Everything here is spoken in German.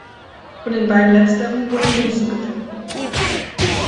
Von den beiden letzteren wurden Münzen gefunden.